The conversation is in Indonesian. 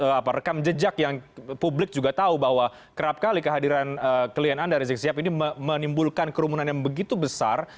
dan dalam banyak rekam jejak yang publik juga tahu bahwa kerap kali kehadiran kalian anda rizik syihab ini menimbulkan kerumunan yang begitu besar